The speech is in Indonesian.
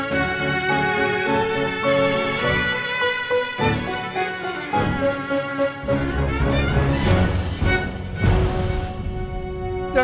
pak besegah itu pak